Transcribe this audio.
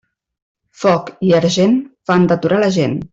Foc i argent fan deturar la gent.